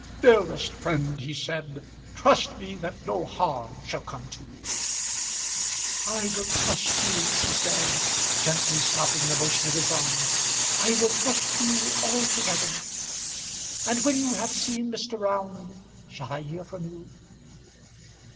"Dearest friend," he said, "trust me that no harm shall come to you." "I will trust you," she said, gently stopping the motion of his arm. "I will trust you, altogether. And when you have seen Mr. Round, shall I hear from you?"